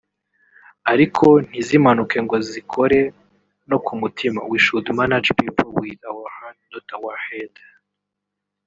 ariko ntizimanuke ngo zikore no ku mutima (we should manage people with our heart not our head)